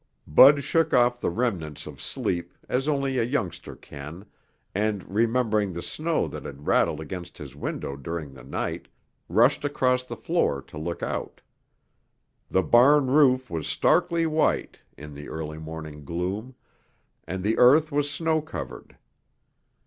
Bud shook off the remnants of sleep as only a youngster can and remembering the snow that had rattled against his window during the night, rushed across the floor to look out. The barn roof was starkly white in the early morning gloom, and the earth was snow covered.